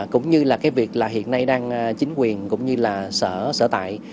cũng như là cái việc là hiện nay đang chính quyền cũng như là sở sở tại